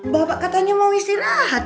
bapak katanya mau istirahat